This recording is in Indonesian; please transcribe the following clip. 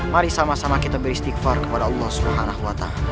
mari sama sama kita beristighfar kepada allah swt